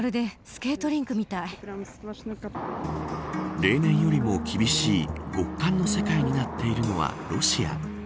例年よりも厳しい極寒の世界になっているのはロシア。